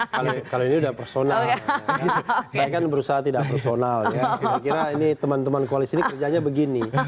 kalau ini sudah personal saya kan berusaha tidak personal ya saya kira ini teman teman koalisi ini kerjanya begini